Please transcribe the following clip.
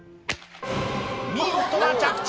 見事な着地！